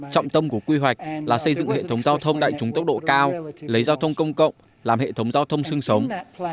trọng tâm của quy hoạch là xây dựng hệ thống giao thông đại chúng tốc độ cao lấy giao thông công cộng làm hệ thống giao thông sương sống